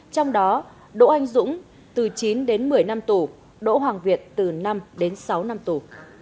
trong đó đỗ anh dũng từ chín đến một mươi năm tù đỗ hoàng việt từ năm đến sáu năm tù